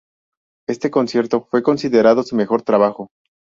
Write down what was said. Este concierto fue considerado su mejor trabajo.